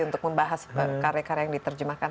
untuk membahas karya karya yang diterjemahkan